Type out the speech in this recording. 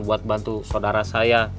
buat bantu saudara saya